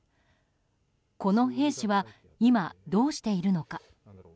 この兵士は今、どうしているのか。